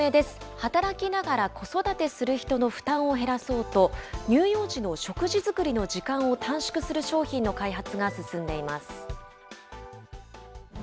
働きながら子育てする人の負担を減らそうと、乳幼児の食事作りの時間を短縮する商品の開発が進んでいます。